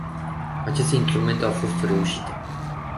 Aceste instrumente au fost o reușită.